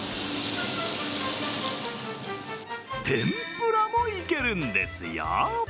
天ぷらも、いけるんですよ。